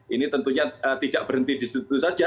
ini tentunya tidak berhenti di situ saja